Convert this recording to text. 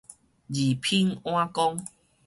二品碗公